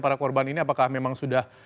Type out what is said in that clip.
para korban ini apakah memang sudah